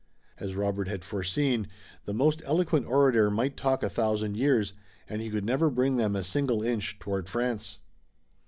As Robert had foreseen, the most eloquent orator might talk a thousand years, and he could never bring them a single inch toward France.